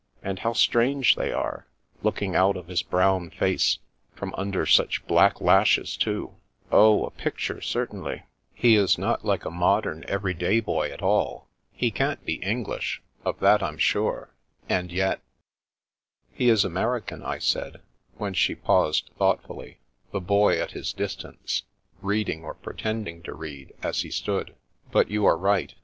And how strange Enter the Contessa 179 they are — ^looking out of his brown face, from under such black lashes, too. Oh, a picture, cer tainly. He is not like a modem, every day boy, at all. He can't be English, of that Vm sure, and yet ''" He is American," I said, when she paused thoughtfully, the Boy at his distance reading or pretending to read, as he stood. "But you are right.